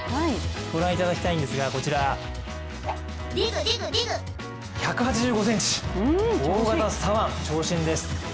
ご覧いただきたいんですが、こちら、１８５ｃｍ、大型左腕、長身です。